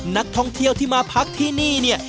นักท่องเที่ยวที่มาพักที่นี่เนี่ย